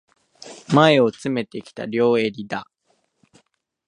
前を詰めてきた、両襟だ。